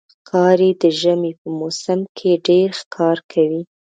ښکاري د ژمي په موسم کې ډېر ښکار کوي.